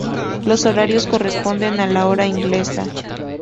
Los horarios corresponden a la hora inglesa.